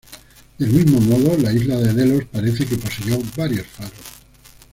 Del mismo modo, la isla de Delos parece que poseyó varios faros.